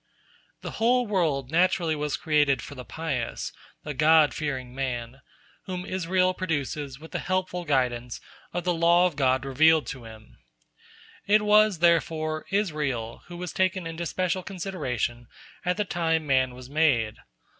The whole world naturally was created for the pious, the God fearing man, whom Israel produces with the helpful guidance of the law of God revealed to him. It was, therefore, Israel who was taken into special consideration at the time man was made.